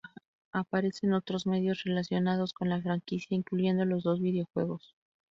Aparece en otros medios relacionados con la franquicia, incluyendo los dos videojuegos.